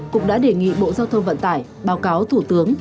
cục đã đề nghị bộ giao thông vận tải báo cáo thủ tướng